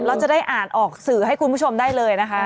เราจะได้อ่านออกสื่อให้คุณผู้ชมได้เลยนะคะ